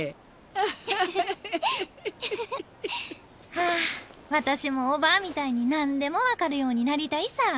はぁ私もおばあみたいになんでも分かるようになりたいさ。